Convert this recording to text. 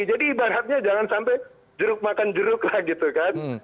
jadi ibaratnya jangan sampai jeruk makan jeruk lah gitu kan